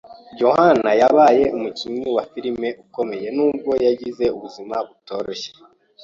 Joan yabaye umukinnyi wa filime ukomeye nubwo yagize ubuzima butoroshye.